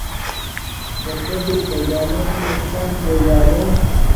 کہ سو ہیُو دژان٘لے مے نقصان ڇېلیالُوں